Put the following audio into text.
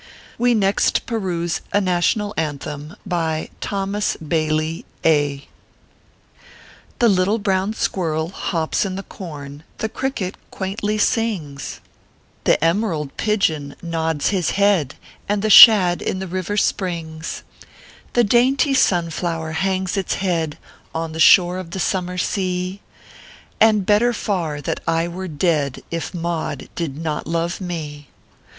We next peruse a NATIONAL ANTHEM BY THOMAS BAILEY A Tho little brown squirrel hops in the corn, Tho cricket quaintly sings ; ORPHEUS C. KEKll PAPERS. 61 The emerald pigeon nods his head, And the shad in the river springs, The dainty sunflower hangs its head On the shore of the summer sea ; And better far that I were dead, If Maud did not love me.